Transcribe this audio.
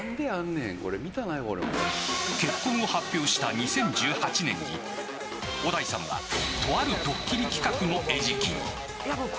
結婚を発表した２０１８年に小田井さんはとあるドッキリ企画の餌食に。